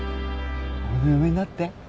俺の嫁になって。